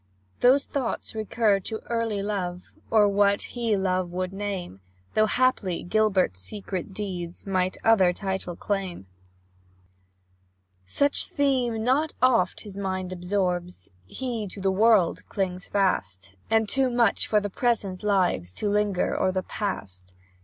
Those thoughts recur to early love, Or what he love would name, Though haply Gilbert's secret deeds Might other title claim. Such theme not oft his mind absorbs, He to the world clings fast, And too much for the present lives, To linger o'er the past.